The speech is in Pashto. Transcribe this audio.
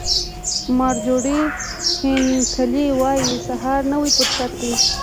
مارجوري هینکلي وایي سهار نوی فرصت دی.